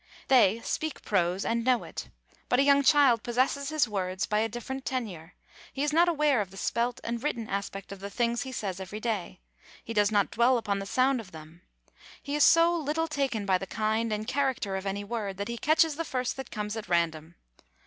They speak prose and know it. But a young child possesses his words by a different tenure; he is not aware of the spelt and written aspect of the things he says every day; he does not dwell upon the sound of them. He is so little taken by the kind and character of any word that he catches the first that comes at random.